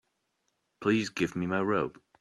Please give me my robe.